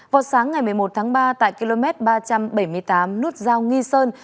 vào sáng ngày một mươi một tháng ba tại km ba trăm bảy mươi tám nút giao nghi sơn